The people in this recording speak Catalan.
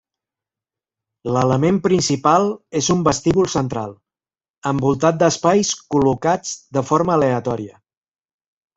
L’element principal és un vestíbul central, envoltat d’espais col·locats de forma aleatòria.